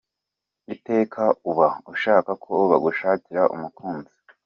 Iteka uba ushaka ko bagushakira umukunzi.